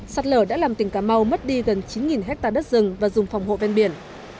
sạt lở đã làm tỉnh cà mau mất đi gần chín hectare đất rừng và dùng phòng hộ ven biển